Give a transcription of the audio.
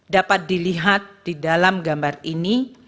dapat dilihat di dalam gambar ini